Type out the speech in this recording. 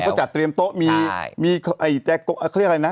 เขาจัดเตรียมโต๊ะมีเขาเรียกอะไรนะ